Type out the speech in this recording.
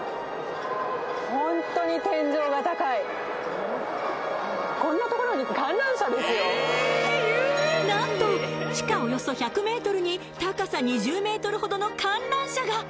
ホントに天井が高い何と地下およそ１００ｍにほどの観覧車が！